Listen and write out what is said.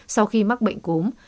sau khi mắc bệnh cúng